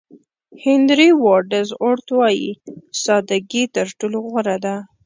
هېنري واډز اورت وایي ساده ګي تر ټولو غوره ده.